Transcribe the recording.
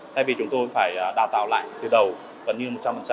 thay vì chúng tôi phải đào tạo lại từ đầu gần như một trăm linh